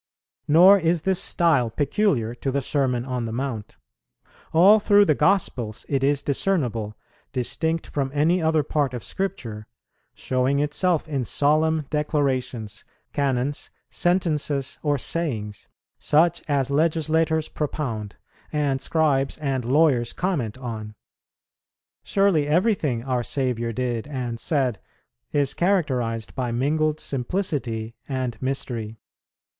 "Nor is this style peculiar to the Sermon on the Mount. All through the Gospels it is discernible, distinct from any other part of Scripture, showing itself in solemn declarations, canons, sentences, or sayings, such as legislators propound, and scribes and lawyers comment on. Surely everything our Saviour did and said is characterized by mingled simplicity and mystery.